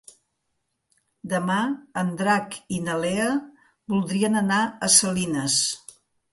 Demà en Drac i na Lea voldrien anar a Salines.